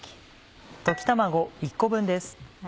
溶き卵１個分です。